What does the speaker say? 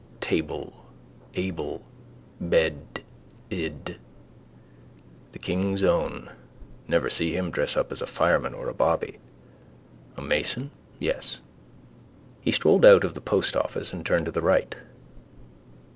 Table: able. Bed: ed. The King's own. Never see him dressed up as a fireman or a bobby. A mason, yes. He strolled out of the postoffice and turned to the right.